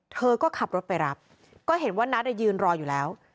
เธอก็ขับรถไปรับก็เห็นว่านัทยืนรออยู่แล้ว